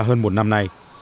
hơn một năm nay